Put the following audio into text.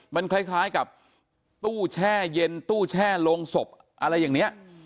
มันคล้ายกับตู้แช่เย็นตู้แช่โรงศพอะไรอย่างนี้